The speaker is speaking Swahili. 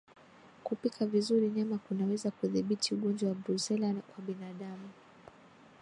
Kupika vizuri nyama kunaweza kudhibiti ugonjwa wa Brusela kwa binadamu